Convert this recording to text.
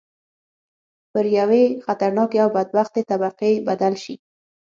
پر یوې خطرناکې او بدبختې طبقې بدل شي.